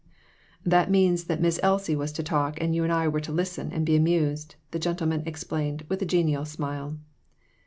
"That means that Miss Elsie was to talk, and you and I were to listen and be amused," the gentleman explained, with a genial smile.